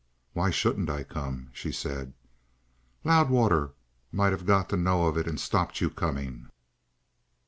"Why shouldn't I come?" she said. "Loudwater might have got to know of it and stopped you coming."